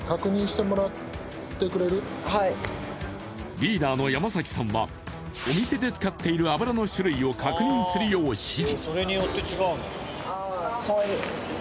リーダーの山崎さんはお店で使っている油の種類を確認するよう指示。